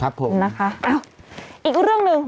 ครับผมนะคะเอ้าอีกเรื่องหนึ่ง